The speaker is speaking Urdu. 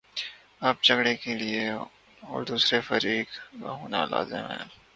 اب جھگڑے کے لیے قضیے اور دوسرے فریق کا ہونا لازم ہے۔